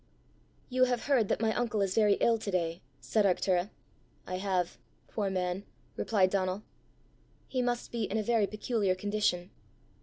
"You have heard that my uncle is very ill to day!" said Arctura. "I have. Poor man!" replied Donal. "He must be in a very peculiar condition."